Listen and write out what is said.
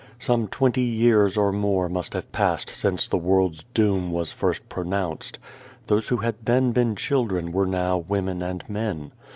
Some twenty years or more must have passed since the world's doom was first pronounced. Those who had then been children were now women and men.